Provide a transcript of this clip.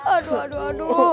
aduh aduh aduh